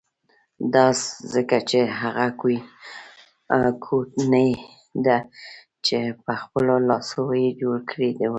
دا ځکه چې هغه کوټنۍ ده چې په خپلو لاسو یې جوړه کړې وه.